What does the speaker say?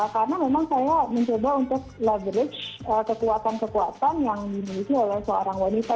karena memang saya mencoba untuk leverage kekuatan kekuatan yang dimiliki oleh seorang wanita